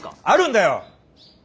あるんだよ！